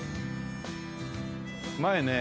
前ね